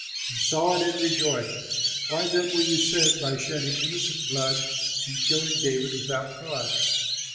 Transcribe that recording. You saw it and rejoiced. Why then will you sin by shedding innocent blood in killing David without cause?"